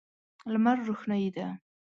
لمر روښنايي ده.